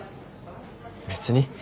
別に。